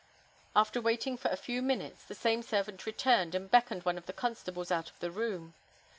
After waiting for a few minutes, the same servant returned, and beckoned one of the constables out of the room.